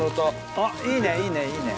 あっいいねいいねいいね。